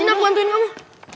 sini aku bantuin kamu